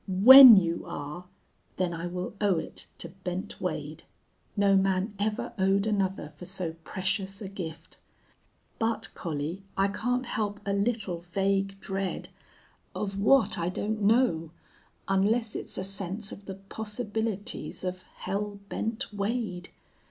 when you are, then I will owe it to Bent Wade. No man ever owed another for so precious a gift. But, Collie, I can't help a little vague dread of what, I don't know, unless it's a sense of the possibilities of Hell Bent Wade....